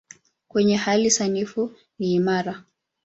Kwenye hali sanifu ni imara.